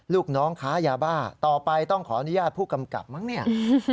ลูกน้องค้ายาบ้าต่อไปต้องขออนุญาตผู้กำกับมั้งเนี่ย